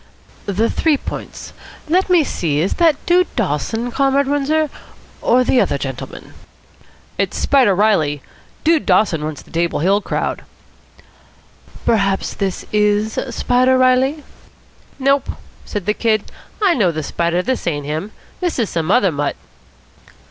"The Three Points? Let me see, is that Dude Dawson, Comrade Windsor, or the other gentleman?" "It's Spider Reilly. Dude Dawson runs the Table Hill crowd." "Perhaps this is Spider Reilly?" "Nope," said the Kid. "I know the Spider. This ain't him. This is some other mutt."